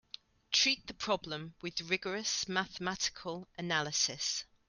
Treat the problem with rigorous mathematical analysis.